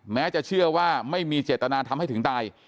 แม้จะเชื่อว่าไม่มีเจตนาทำให้ถึงตาย